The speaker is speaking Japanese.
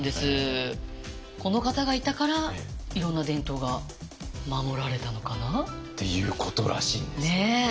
この方がいたからいろんな伝統が守られたのかな？っていうことらしいんですけどね。